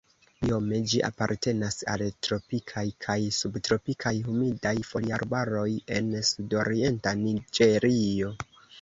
Biome ĝi apartenas al tropikaj kaj subtropikaj humidaj foliarbaroj en sudorienta Niĝerio.